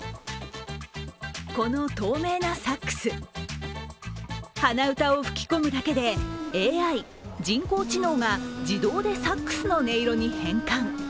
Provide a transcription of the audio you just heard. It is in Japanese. この透明なサックス、鼻歌を吹き込むだけでＡＩ＝人工知能が自動でサックスの音色に変換。